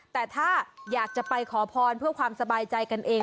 แต่ถ้าอยากจะไปขอพรเพื่อความสบายใจกันเอง